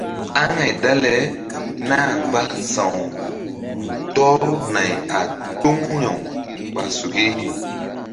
Aŋay dale náh mgba sa̧w tɔr nay a toŋuri-awɓa suki.